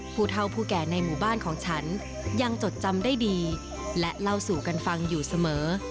ผู้เท่าผู้แก่ในหมู่บ้านของฉันยังจดจำได้ดีและเล่าสู่กันฟังอยู่เสมอ